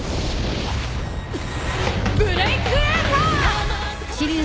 ブレイクエーサー！